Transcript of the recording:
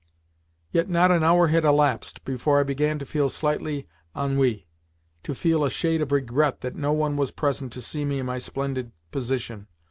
Yet not an hour had elapsed before I began to feel slightly ennuye to feel a shade of regret that no one was present to see me in my splendid position.